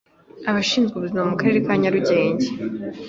abashinzwe ubuzima mukarere ka nyarugenge